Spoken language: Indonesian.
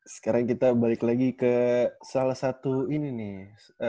sekarang kita balik lagi ke salah satu ini nih